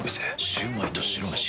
シュウマイと白めし。